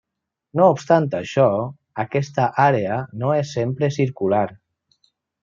No obstant això, aquesta àrea no és sempre circular.